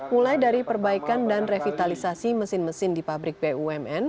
mulai dari perbaikan dan revitalisasi mesin mesin di pabrik bumn